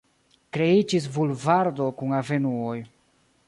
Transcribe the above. Kreiĝis bulvardo kun avenuoj.